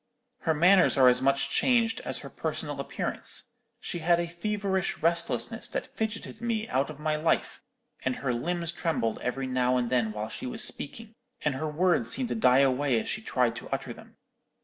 Her manners are as much changed as her personal appearance. She had a feverish restlessness that fidgeted me out of my life; and her limbs trembled every now and then while she was speaking, and her words seemed to die away as she tried to utter them.